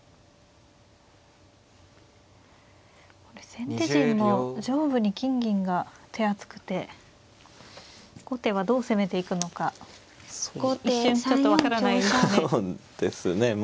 これ先手陣も上部に金銀が手厚くて後手はどう攻めていくのか一瞬ちょっと分からないですね。